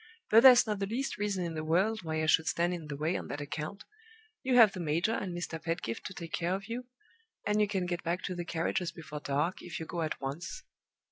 But there's not the least reason in the world why I should stand in the way on that account. You have the major and Mr. Pedgift to take care of you; and you can get back to the carriages before dark, if you go at once.